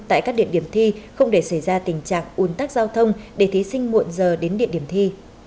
tại các điểm điểm thi không để xảy ra tình trạng un tắc giao thông để thí sinh muộn giờ đến điểm điểm thi